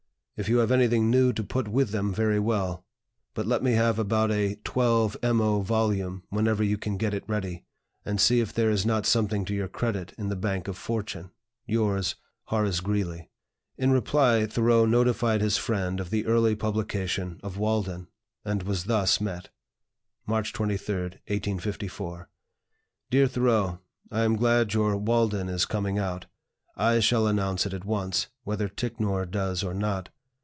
If you have anything new to put with them, very well; but let me have about a 12mo volume whenever you can get it ready, and see if there is not something to your credit in the bank of Fortune. Yours, "HORACE GREELEY." In reply, Thoreau notified his friend of the early publication of "Walden," and was thus met: "March 23, 1854. "DEAR THOREAU, I am glad your 'Walden' is coming out. I shall announce it at once, whether Ticknor does or not.